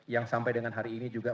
yang sampai dengan hari ini juga